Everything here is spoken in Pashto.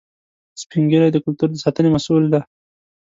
سپین ږیری د کلتور د ساتنې مسؤل دي